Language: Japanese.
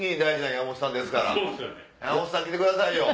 山本さん来てくださいよ。